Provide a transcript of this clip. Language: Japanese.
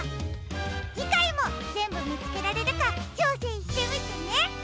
じかいもぜんぶみつけられるかちょうせんしてみてね！